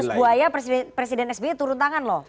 dulu pada saat cicat versus buaya presiden sby turun tangan loh